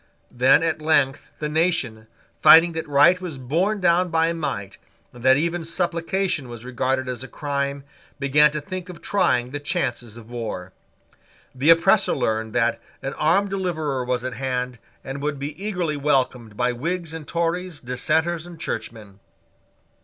Then at length the nation, finding that right was borne down by might, and that even supplication was regarded as a crime, began to think of trying the chances of war. The oppressor learned that an armed deliverer was at hand and would be eagerly welcomed by Whigs and Tories, Dissenters and Churchmen.